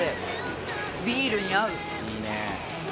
「いいね！」